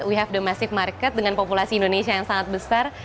we have the massive market dengan populasi indonesia yang sangat besar